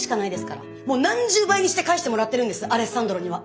もう何十倍にして返してもらってるんですアレッサンドロには。